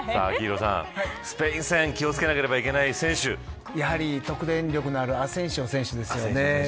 スペイン戦、気を付けなければいけない選手やはり得点力のあるアセンシオ選手ですね。